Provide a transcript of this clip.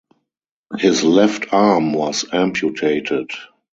His left arm was amputated.